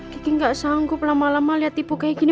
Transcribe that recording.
kiki gak sanggup lama lama liat ibu kayak gini